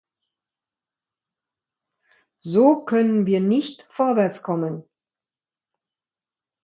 So können wir nicht vorwärtskommen.